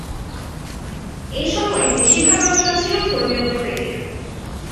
এই সময়ে বেশির ভাগ রচনা ছিল ধর্মীয় প্রকৃতির।